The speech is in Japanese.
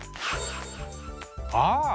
ああ！